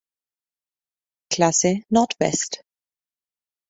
Klasse Nord-West“.